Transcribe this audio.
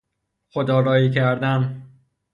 خود آرایی کردن